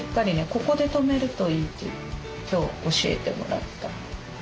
ここで止めるといいって今日教えてもらった。